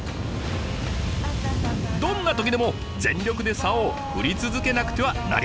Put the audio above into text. どんな時でも全力でサオを振り続けなくてはなりません。